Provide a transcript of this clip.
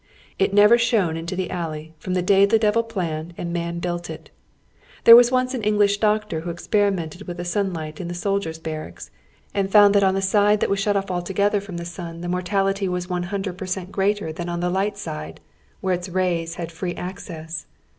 It never shone into the alley from the day the devil planned and man built it. There was once an Englisli doctor who experimented witii the sunlight in the soldiers' barracks, and found that on the side that was shut off altogether from the sun the mortality was one lumdred per cent, greater tlian on the light side, where its rays had free ac cess.